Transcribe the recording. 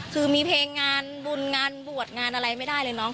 คือมีเพลงงานบุญงานบวชงานอะไรไม่ได้เลยน้อง